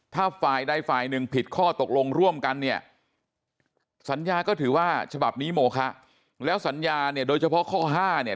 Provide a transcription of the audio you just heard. ถ้าฝ่ายใดฝ่ายหนึ่งผิดข้อตกลงร่วมกันเนี่ยสัญญาก็ถือว่าฉบับนี้โมคะแล้วสัญญาเนี่ยโดยเฉพาะข้อห้าเนี่ย